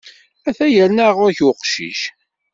Atah yerna ɣer ɣur-k uqcic.